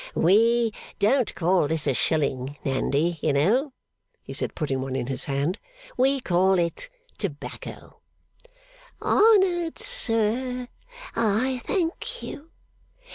'We don't call this a shilling, Nandy, you know,' he said, putting one in his hand. 'We call it tobacco.' 'Honoured sir, I thank you.